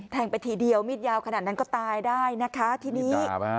ไปทีเดียวมีดยาวขนาดนั้นก็ตายได้นะคะทีนี้